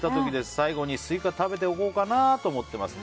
最後にスイカ食べておこうかなと思っています。